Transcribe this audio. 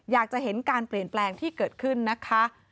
อยากจะเห็นการเปลี่ยนแปลงที่เกิดขึ้นนะคะ